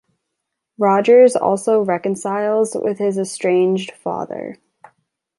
Rogers also reconciles with his estranged father.